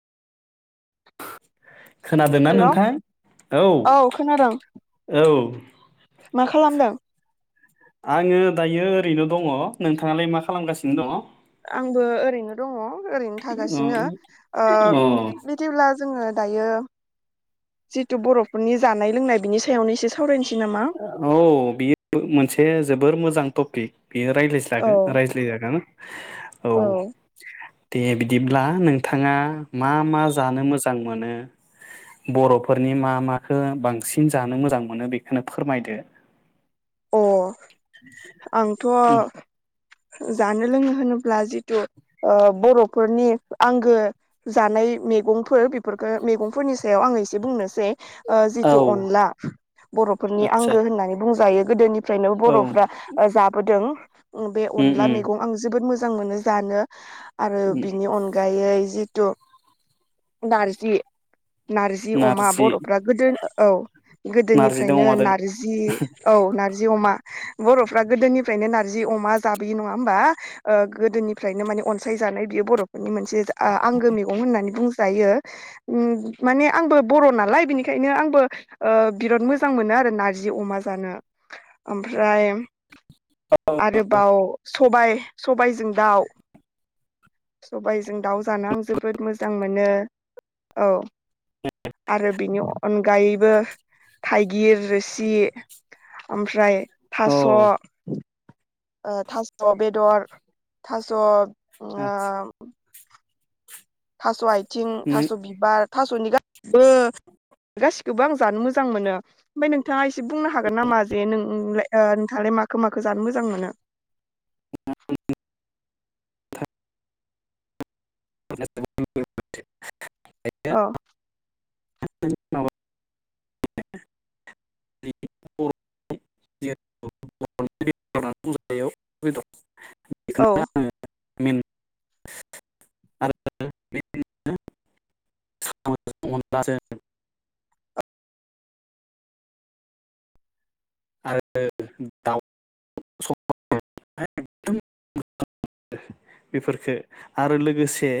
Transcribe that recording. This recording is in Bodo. खोनादोंना हेल' नोंथां औ औ मा खालामदों? आङो दायो रैनो' दङ नोंथाङालाय मा खालामगासिनो दङ? आंबो ओरैनो दङ। ओरैनो दङ थागासिनो ओ अ बिदिब्ला जोङो दायो जिथु बर'फोरनि जानाय लोंनाय बिनि सायावनो एसे सावरायसै औ बियो मोनसे जोबोर मोजां थफिख बेयो औ रायज्लायज्लागोन रायज्लायजागोन औ अ दे बिदिब्ला नोंथाङा मा मा जानो मोजां मोनो बर'फोरनि मा मााखो बांसिन जानो मोजां मोनो बे नो फोरमायदो [inaudible] आंथ' जानो लोङो होनोब्ला जितु ओ बर'फोरनि आंगो जानाय मैगंफोर बेफोरखौ मैगंफोरनि सायाव आङो एसे बुंनोसै ओ औ जिथु अनला बर'फोरनि आदसा आंगो होननानै बुंजायो गोदोनि फ्रायनो औ बर'फ्रा ओ जाबोदों अ बे उम अनला उम मैगं आं जोबोद मोजां मोजां मोनो जानो आरो उम बिनि अनगायै जि [unintelligible] नारजि नारजि अमा बरफ्रा गोदो औ नारजिजों गोदोनिफ्रायनो अमाजों नारजि औ नारजि नारजि अमा बरफ्रा गोदोनिफ्रायनो नारजि अमा जाबोयो नंङा होमबा गोदोनिफ्रायनो माने अनसाय जानाय बियो बरफोरनि मोनसे आंगो मैगं होननानै बुंजायो उ माने आंबो बर नालाय बिनिखायनो आंबो बिराद मोजां मोनो आरो नारजि अमा जानो ओमफ्राय औ बाव सबायाइ सबायाइजों दाउ सबायाइजों दाउ जानो आं जोबोद मोजां मोनो औ आरो बिनि अनगायैबो थाइगिर जि ओमफ्राय औ थास ओ थास बेदर थास। ओ आतसा थास आय थिं नों थास बिबार। थासनि गास सिबो गासिखोबो आं जानो मोजां मोनो ओमफाय नोंथाङा इसे। जे बुंनो हागोन नामा जे नों। नोंलाय ओ नोंथाङालाय माखौमाखौ जानो मोजां मोनो। [unintelligible] औ। [unintelligible] [unintelligible] औ। [unintelligible] [unintelligible] बेफोरखो आरो लोगोसे।